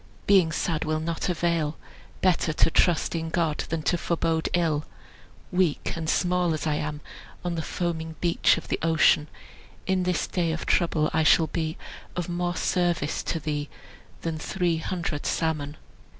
Being sad will not avail; Better to trust in God than to forbode ill; Weak and small as I am, On the foaming beach of the ocean, In the day of trouble I shall be Of more service to thee than three hundred salmon."